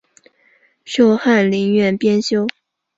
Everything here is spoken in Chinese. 授翰林院编修。